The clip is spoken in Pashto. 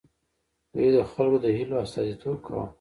دوی د خلکو د هیلو استازیتوب کاوه.